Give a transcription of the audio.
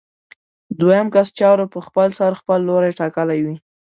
د دویم کس چارو په خپلسر خپل لوری ټاکلی وي.